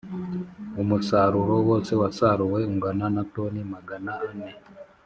Umusaruro wose wasaruwe ungana na toni Magana ane